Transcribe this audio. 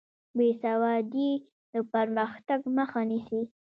بېسوادي د پرمختګ مخه نیسي.